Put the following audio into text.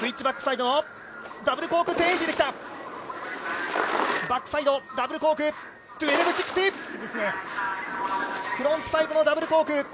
バックサイドダブルコーク１２６０。